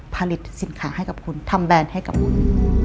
ผลิตสินค้าให้กับคุณทำแบรนด์ให้กับคุณ